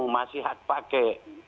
masih hak pake